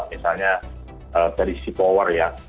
misalnya dari segi power ya